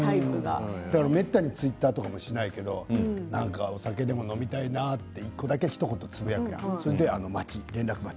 めったにツイッターとかしないけど何かお酒でも飲みたいなと１個だけひと言つぶやくそれで連絡待ち。